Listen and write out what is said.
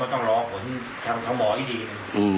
เพราะว่ามันต้องรอผลทางหมออีกที